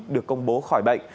được công bố khỏi bệnh